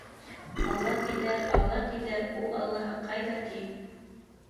Алла тиҙәр, алла тиҙәр, ул аллаһы ҡайҙа, ти.